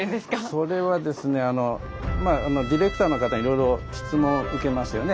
それはですねまあディレクターの方にいろいろ質問を受けますよね。